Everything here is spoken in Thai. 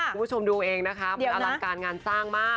คุณผู้ชมดูเองนะคะมันอลังการงานสร้างมาก